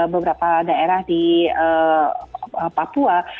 beberapa daerah di papua